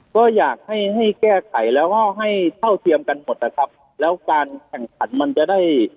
ก็อยากให้ให้แก้ไขแล้วก็ให้เท่าเทียมกันหมดนะครับแล้วการแข่งขันมันจะได้